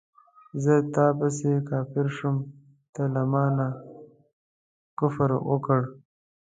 زه تا پسې کافر شوم تا له مانه کفر وکړ